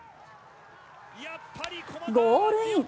ゴールイン。